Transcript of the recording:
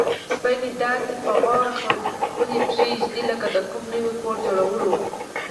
سپی مې داسې په غور خپلې پښې ږدوي لکه د کوم نوي کور جوړول.